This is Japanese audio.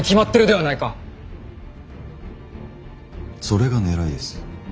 それがねらいです。